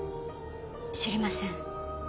知りません。